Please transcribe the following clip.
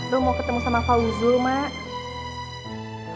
rum mau ketemu sama fawzul mak